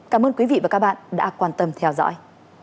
cảm ơn quý vị và các bạn đã quan tâm theo dõi